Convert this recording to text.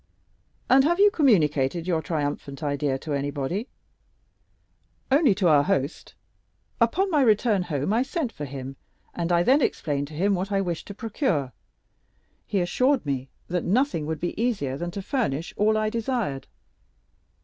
"And have you communicated your triumphant idea to anybody?" "Only to our host. Upon my return home I sent for him, and I then explained to him what I wished to procure. He assured me that nothing would be easier than to furnish all I desired.